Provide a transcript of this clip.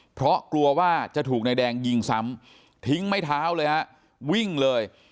เพราะกลัวว่าจะถูกนายแดงยิงซ้ำทิ้งไม้เท้าเลยฮะวิ่งเลย